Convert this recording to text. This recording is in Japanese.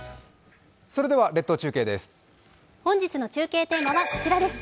それでは列島中継です。